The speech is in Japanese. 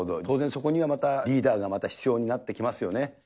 当然そこにはまた、リーダーがまた必要になってきますよね。